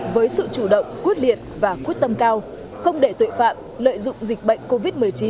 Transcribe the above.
với sự chủ động quyết liệt và quyết tâm cao không để tội phạm lợi dụng dịch bệnh covid một mươi chín